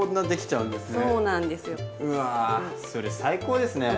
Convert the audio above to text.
うわそれ最高ですね。